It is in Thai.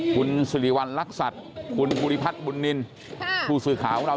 คุณสิริวัลลักษัตริย์คุณภูริพัฒน์บุญนินคุณภูริพัฒน์บุญนิน